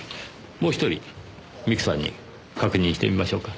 もう１人美久さんに確認してみましょうか。